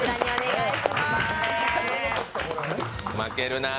負けるな。